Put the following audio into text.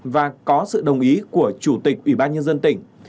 và có sự đồng ý của chủ tịch ủy ban nhân dân tỉnh